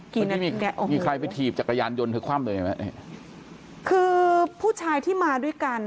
กี่นาทีมีใครไปถีบจักรยานยนต์เธอคว่ามเลยไหมคือผู้ชายที่มาด้วยกัน